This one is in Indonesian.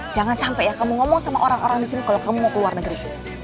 jangan sampai ya kamu ngomong sama orang orang di sini kalau kamu mau ke luar negeri